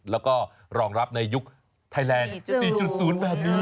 แล้วก็รองรับในยุคไทยแลนด์๔๐แบบนี้